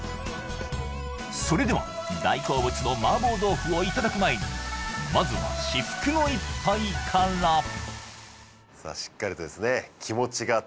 それでは大好物の麻婆豆腐をいただく前にまずは至福の一杯からさあしっかりとですね